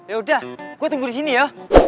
yaudah gua tunggu di sini ya